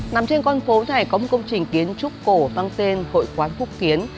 nằm trên con phố này có một công trình kiến trúc cổ mang tên hội quán phúc kiến